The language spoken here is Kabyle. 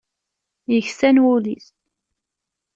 Yeksan wul-is.